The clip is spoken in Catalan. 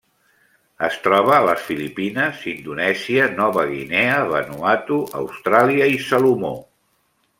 Es troba a les Filipines, Indonèsia, Nova Guinea, Vanuatu, Austràlia i Salomó.